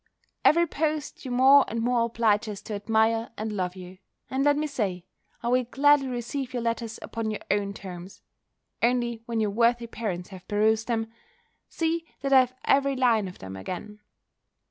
Every post you more and more oblige us to admire and love you: and let me say, I will gladly receive your letters upon your own terms: only when your worthy parents have perused them, see that I have every line of them again.